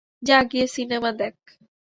যা গিয়ে সিনেমা দেখ।